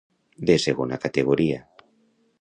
De segona categoria.